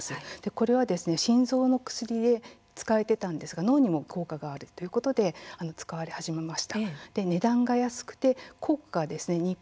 これは心臓の薬で使われていたんですが脳でも効果があるということで使われます。